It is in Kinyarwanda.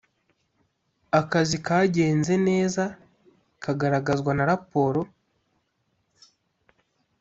Akazi kagenze neza kagaragazwa na Raporo